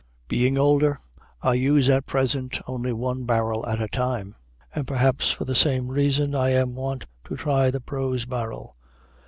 Being older, I use at present only one barrel at a time and, perhaps for the same reason, I am wont to try the prose barrel.